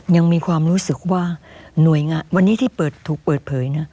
ยังมีความรู้สึกว่าหน่วยงานวันนี้ที่ถูกเปิดเผยนะ